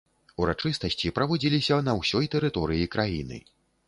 Урачыстасці праводзіліся на ўсёй тэрыторыі краіны.